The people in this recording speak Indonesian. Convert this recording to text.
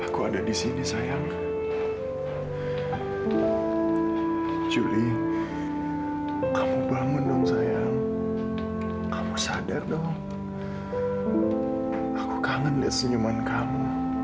kamu sadar dong aku kangen liat senyuman kamu